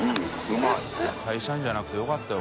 会社員じゃなくてよかったよ